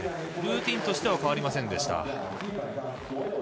ルーティンとしては変わりませんでした。